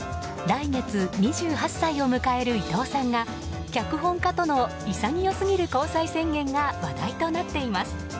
来月２８歳を迎える伊藤さんが脚本家との潔すぎる交際宣言が話題となっています。